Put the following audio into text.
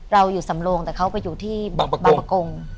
เราอยู่สำโลงแต่เขาไปอยู่ที่บางประกง